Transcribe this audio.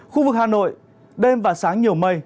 khu vực hà nội đêm và sáng nhiều mây